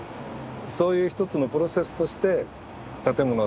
そういう一つのプロセスとして建物を設計してるし